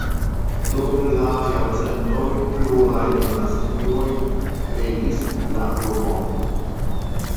Dum la jarcentoj pluraj dinastioj regis en la urbo.